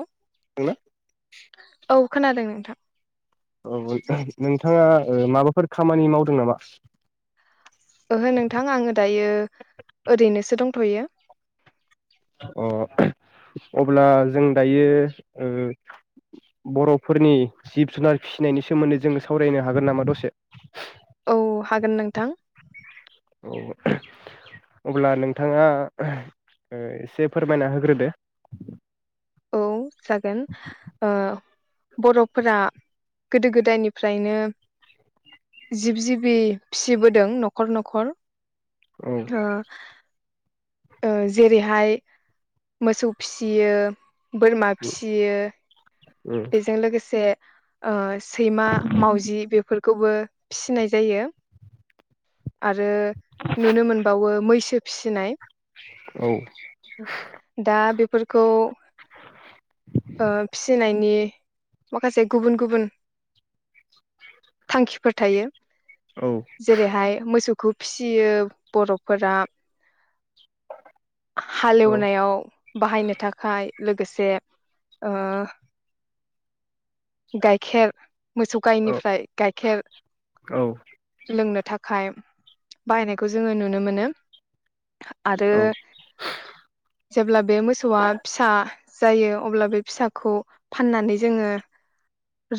औ औ औ खोनादों नों औ ओ नोंथाङा ओ माबाफोर खामानि मावदों नामा ओहो नोंथां आङो दायो ओरैनोसो दंथयो अ अब्ला जों दायो ओ बरफोरनि जिब जुनार फिसिनायनि सोमोन्दै जोङो सावरायनो हागोन नामा दसे औ हागोन नोंथां औ अब्ला नोंथाङा एसे फोरमायना होग्रोदो औ जागोन ओ बरफोरा गोदो गोदायनिफ्रायनो जिब जिबि फिसिबोदों नखर नखर औ ओ ओ जेरैहाय मोसौ फिसियो। बोरमा फिसियो। बेजों लोगोसे। ओ। सैमा मावजि बेफोर। खौबो फिसिनाय जायो। आरो नुनो मोनबावो मैसो फिसिनाय। औ दा बे। फोरखौ ओ फिसिनायनि माखासे गुबुन गुबुन थांखिफोर थायो। औ। जेरैहाय मोसौखौ फिसियो बर' गथफोरा। औ हालेवनायाव बाहायनो थाखाय लोगोसे ओ। गाइखेर मोसौ गायनिफ्राय गाइखेर औ औ लोंनो। थाखाय बायनायखौ जोङो नुनो मोनो आरो जेब्ला बे मोसौआ फिसा जायो अब्ला बे फिसाखौ फाननानै जोङो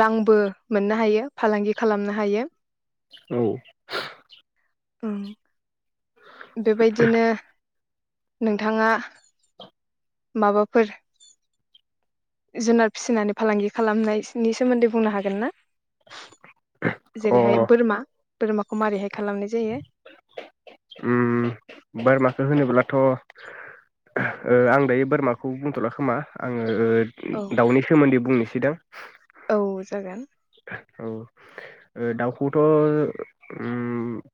रांबो मोननो हायो फालांगि खालामनो हायो औ। ओम। बेबायदिनो। नोंथाङा। माबाफोर। जुनार फिसिनानै फालांगि खालामनायसिनि सोमोन्दै बुंनो हागोन ना। अ जेरैहाय बोरमा। बोरमाखौ मारैहाय खालामनाय जायो। ओम बोरमाखौ होनोब्लाथ ओ आं दायो बोरमाखौ बुंथला खोमा आङो। ओ औ दाउनि सोमोन्दै बुंनोसै दां। औ जागोन। औ ओ दाउखौथ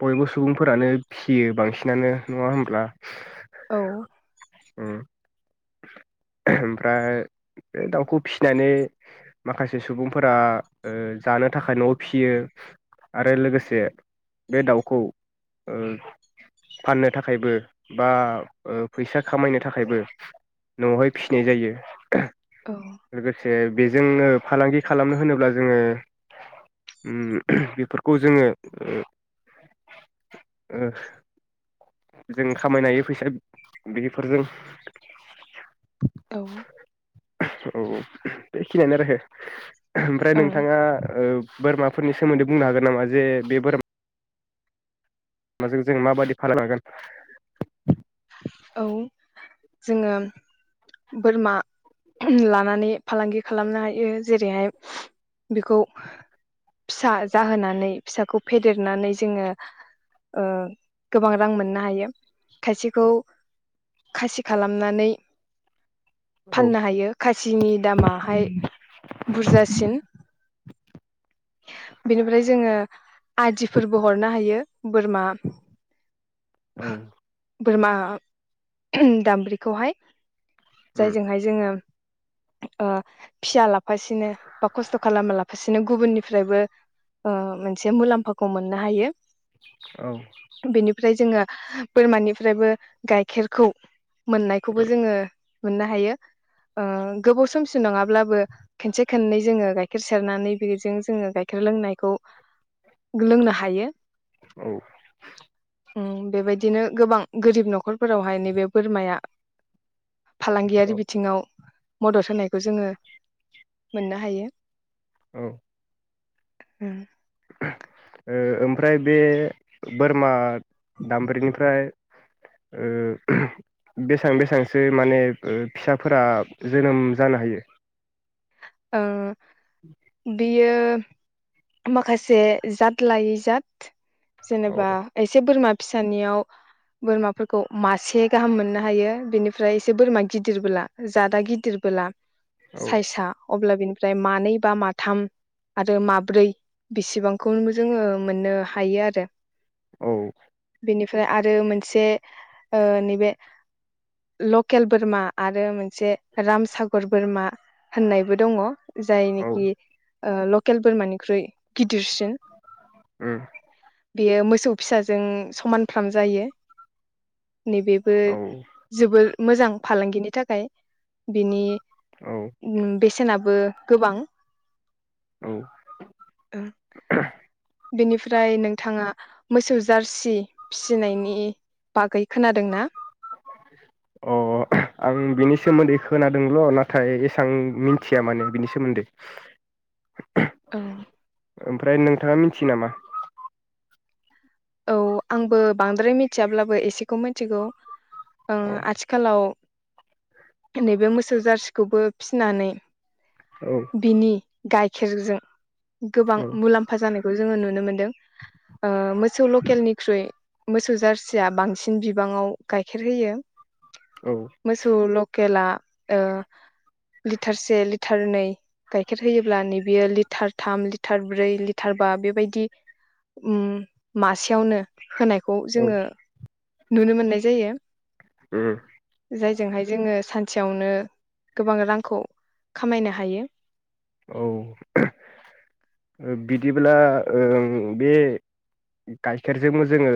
बयबो सुबुंफोरानो फियो बांसिनानो नङा होमब्ला। औ। ओम [inaudible] ओमफ्राय बे दाउखौ फिसिनानै माखासे सुबुंफोरा। ओ जानो थाखाय नआव फियो आरो लोगोसे बे दाउखौ ओ फाननो थाखायबो बा ओ फैसा खामायनो थाखायबो नआवहाय फिसिनाय जायो। औ लोगोसे। ए बेजोंनो फालांगि खालामनो होनोब्ला जोङो ओम बेफोरखौ जोङो ओ, ओ जों खामायनो हायो फैसा बेफोरजों औ औ बेखिनियानो आरो हे ओमफ्राय ओं नोंथाङा ओ बोरमाफोरनि सोमोन्दै बुंनो हागोन नामा? जे बे बोरमा माजों जोङो माबायदि फालां हागोन? औ जोङो बोरमा ओहोम लानानै फालांगि खालामनो हायो जेरैहाय बेखौ फिसा जाहोनानै फिसाखौ फेदेरनानै जोङो ओ गोबां रां मोननो हायो। खायसेखौ खासि खालामनानै औ फाननो हायो खासिनि दामाहाय बुरजासिन । बेनिफ्राय जोङो आदिफोरबो हरनो हायो बोरमा औ बोरमा ओहोम दामब्रिखौहाय । जायजोंहाय जोङो ओ फिसा लाफासेनो बा खस्थ खालामा लाफासेनो गुबुननि फ्रायबो ओ मोनसे मुलाम्फाखौ मोननो हायो। औ बेनिफ्राय जोङो बोरमानिफ्रायबो गाइखेरखौ मोननायखौबो जोङो मोननो हायो ओ गोबाव समसिम नङाब्लाबो खनसे खननै जोङो गाइखेर सेरनानै बेजों जोङो गाइखेर लोंनायखौ लोंनो हायो । औ ओम बेबायदिनो गोबां गोरिब नखरफोरावहाय नैबे बोरमाया फालांगियारि औ बिथिङाव मदद होनायखौ जोङो मोननो हायो। औ ओम ओ ओमफ्राय बे बोरमा दामब्रिनिफ्राय ओ बेसां बेसांसो माने ओ फिसाफोरा जोनोम जानो हायो? ओ बियो माखासे जाद लायै जाद अ जेनेबा एसे बोरमा फिसानियाव बोरमाफोरखौ मासे गाहाम मोननो हायो बेनिफ्राय एसे बोरमा गिदिरबोला जादा गिदिरबोला औ सायसा अब्ला बेनिफ्राय मानै बा माथाम आरो माब्रै बेसेबांखौ जोङो मोननो हायो आरो औ बेनिफ्राय आरो मोनसे नैबे लकेल बोरमा आरो मोनसे रामसागर बोरमा होननायबो दङ जाय औ नाखि ओ लकेल बमानिख्रुइ गिदिरसिन उम बेयो मोसौ फिसाजों समानफ्राम जायो नैबेबो औ जबोर मोजां फालांगिनि थाखाय बिनि औ बेसेनाबो गोबां औ [unintelligible] बेनिफ्राय नोंथाङा मोसौ जारसि फिसिनायनि बागै खोनादों न अ आं बिनि सोमोन्दै खोनादोंल नाथाय एसेबां मिथिया माने बिनि सोमोन्दै औ ओमफ्राय नोंथाङा मिथियो नामा औ आंबो बांद्राय मिथियाब्लाबो एसेखौ मिथिगौ ओं अ आथिखालाव नैबे मोसौ जारसिखौबो फिनानै औ बिनि गाइखेरजों गोबां औ मुलाम्फा जानाय बेखौ जोङो नुनो मोनदों मोसौ लकेलनिख्रुइ मोसौ जारसिया बांसिन बिबाङाव गाइखेर होयो औ मोसौ लकेला ओ लिटारसे लिटार नै गाइखेर होयोब्ला नै बियो लिटार थाम लिटार ब्रै लिटार बा बेबायदि मासेयावनो होनाय खौ औ जोङो नुनो मोननाय जायो उम जायजोंहाय जोङो सान थियावनो गोबां रांखौ खामायनो हायो औ बिदिब्ला बे गाइखेरजोंबो जोङो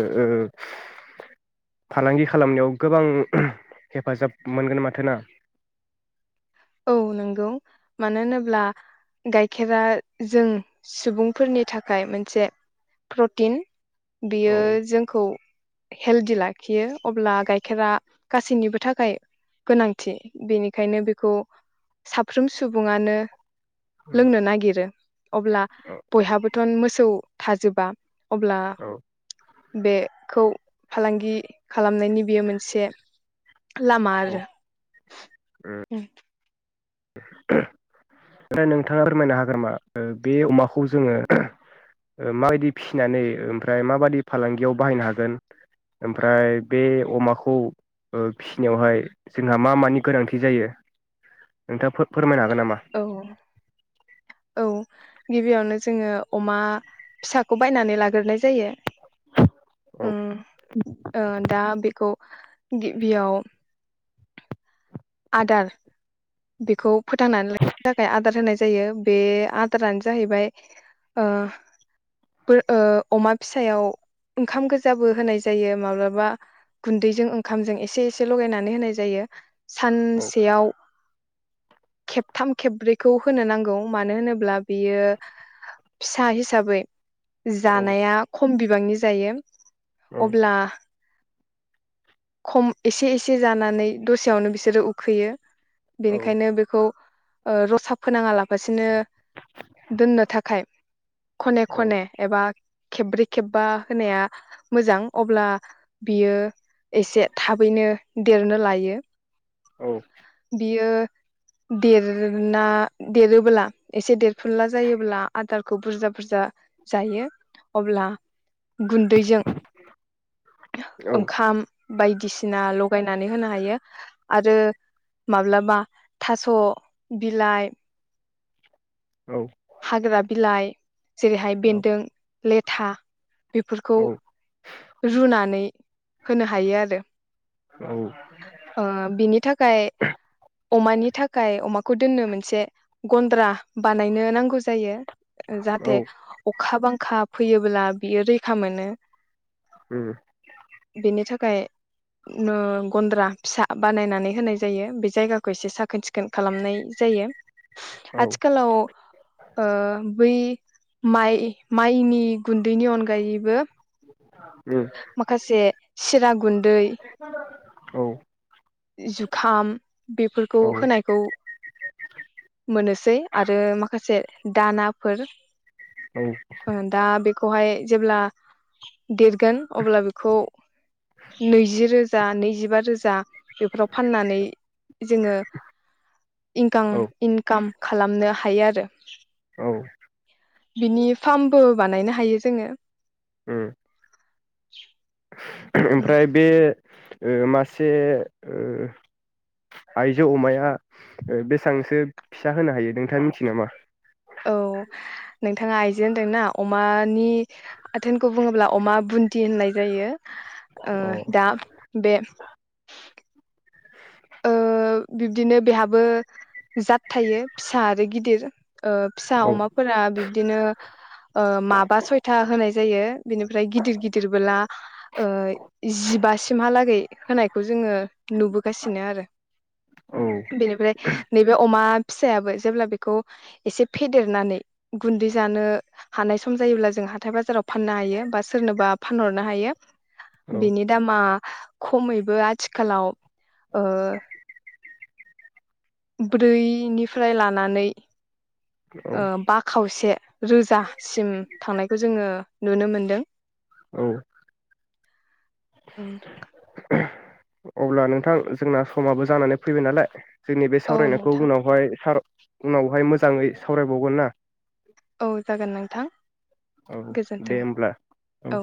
फालांगि खालामनायाव गोबां हेफाजाब मोनगोन माथो ना औ नंगौ मानो होनोब्ला गाइखेरा जों सुबुंफोरनि थाखाय मोनसे प्रटिन बियो औ जोंखौ हेल्डि लाखियो अब्ला गाइखेरा गासैनिबो थाखाय गोनांथि बेनिखायनो बेखौ साफ्रोम सुबुङानो उम लोंनो नागिरो अब्ला औ बयहाबोथ मोसौ थाजोबा अब्ला औ बे खौ फालांगि खालामनायनि बेयो मोनसे लामा आरो उ [unintelligible] आरो नोंथाङा फोरमायनो हागोन नामा बे अमाखौ जोङो माबायदि फिसिनानै ओमफ्राय माबादि फालांगियाव बाहायनो हागोन ओमफ्राय बे अमाखौ फिसिनायावहाय जोंहा मा मानि गोनांथि जायो नोंथाङा फोर फोरमायना नामा औ औ गिबियावनो जोङो अमा फिसाखौ बायनानै लाग्रोनाय जायो ओ औ ओ दा बेखौ गिबियाव आदार बेखौ फोथांनानै लाखिनो थाखाय आदार होनाय जायो बे आदारानो जाहैबाय ओ बो अमा फिसायाव ओंखाम गोजाबो होनाय जायो माब्लाबा गुन्दैजों ओंखामजों एसे एसे लगायनानै होनाय जायो औ सानसेयाव खेबथाम खेबब्रैखौ होनो नांगौ मानो होनोब्ला बेयो फिसा हिसाबै औ जानाया ख खम बिबांनि जायो औ अब्ला खम एसे एसे जानानै दसेयावनो बिसोरो उखैयो औ बेनिखायनो बेखौ ओ रसा फोनाङा लाबफासिनो दोननो थाखाय खने खने एबा खेब्रै खेबबा होनाया मोजां अब्ला बियो एसे थाबैनो देरनो लायो औ बियो देरना देरोब्ला एसे देरफुनला जायोब्ला आदारखौ बुरजा बुरजा जायो अब्ला गुन्दैजों औ ओंखाम बायदिसिना लगायनानै होनो हायो आरो माब्लाबा थास बिलाइ औ हाग्रा बिलाइ जेरैहाय बेन्दों। लेथा बेफोरखौ ओमफ्राय रुनानै होनो हायो आरो। ओ बिनि थाखाय अमानि थाखाय अमा बेखो दोननो मोनसे गन्द्रा बानायनो नां नांगौ जायो। ओ जाहाथे। अखा बांखा फैयोब्ला बियो रैखा मोनो। उम खाय ओ गन्द्रा फिसा बानायनानै होनाय जायो बे जायगाखौ एसे साखोन सिखोन खोन खालामनाय जायो आथिखालाव बै माइ माइनि गुन्दैनि अनगायैबो अ माखासे। सिरग गुन्दै जुखाम बेफोरखौ होनायखौ मोनोसै आरो माखासे दानाफोर ओ दा बे खौ हाय जेब्ला देर गोन‌ अब्ला बेखौ नै रोजा नैजिबा रोजा जा बेफोराव फाननानै जोंङो इनकां इनकाम खालामनो हा हायो आरो। बिनि फ्रामबो बानायनो हायो जोंङो उम। ओमफ्राय बे ओ मासे ओ आइजो अमाया ओ बेसांसो फिसा होनो हायो नोंथाङा मिथियो नामा? औ नोंथाङा आयजोे होनदोंना अमानि आथोनखौ बुङोब्ला अमा बुन्दि होननाय जायो। ओ अ दा बे ओ बिब्दिनो बेहाबो जाद थायो फिसा आरो गिदिर। ओ फिसा औ अमाफोरा बिब्दिनो ओ माबा सयथा होनाय जायो बिनिफ्राय गिदिर गिदिरबोला ओ जिबासिमहालागै होनायखौ जोंङो नुबोगासि नो आरो औ बेनिफ्राय नैबे अमा फिसायाबो जेब्ला बेखौ एसे फेदेरनानै गुन्दै जानो हानाय सम जायोब्ला जों हाथाय बाजाराव फाननो हायो बा सोरनोबा फानहरनो हायो। औ बिनि दामा खमैबो आथिखालाव ओ ब्रै निफ फ्राय लानानै औ ओ बा खावसे रोजासिम थांनायखौ जोंङो नुनो मोनदों। औ ओं अब्ला नोंथां जोंना समाबो जानानै फैबाय नालाय। जोंनि बे औ सावरायनायखौ नोंथां उनावहाय सार उनावहाय मोजाङै सावरायबावगोन ना? औ जागोन नोंथां औ गोजोन्थों दे होमब्ला औ